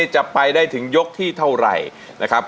จะไปได้ถึงยกที่เท่าไหร่นะครับ